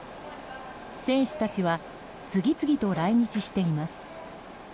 選手たちは次々と来日しています。